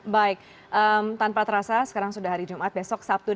baik tanpa terasa sekarang sudah hari jumat